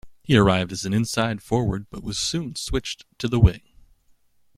He arrived as an inside forward but was soon switched to the wing.